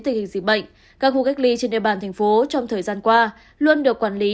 tình hình dịch bệnh các khu cách ly trên địa bàn thành phố trong thời gian qua luôn được quản lý